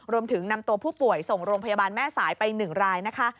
รวมถึงนำตัวผู้ป่วยส่งโรงพยาบาลแม่สายไป๑รายนะคะ